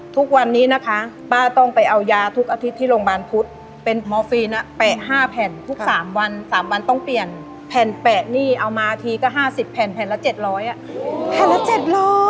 ทุกวันนี้นะคะป้าต้องไปเอายาทุกอาทิตย์ที่โรงพยาบาลพุทธ